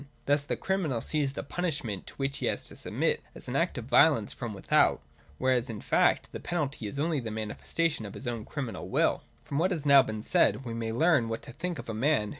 Thus, the criminal sees the punishment to which he has to submit as an act of violence from without : whereas in fact the penalty is only the manifestation of his own criminal will. From what has now been said, we may learn what to think of a man!